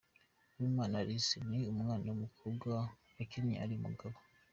Uwimana Alice ni umwana w'umukobwa wakinnye ari umugabo.